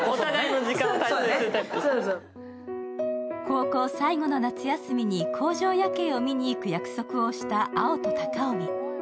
高校最後の夏休みに工場夜景を見にいく約束をした碧と貴臣。